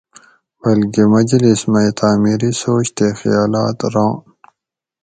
بلکہ مجلس مئی تعمیری سوچ تے خیالات ران